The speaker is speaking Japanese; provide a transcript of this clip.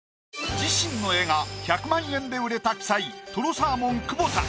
自身の絵が１００万円で売れた鬼才とろサーモン久保田。